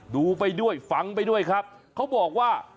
ดูไปด้วยฟังไปด้วยครับเขาบอกว่า